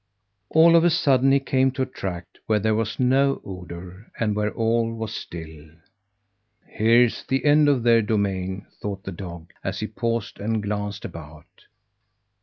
All of a sudden he came to a tract where there was no odour, and where all was still. "Here's the end of their domain," thought the dog, as he paused and glanced about.